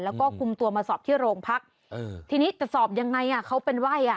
แล้วก็คุมตัวมาสอบที่โรงพักเออทีนี้จะสอบยังไงอ่ะเขาเป็นไหว้อ่ะ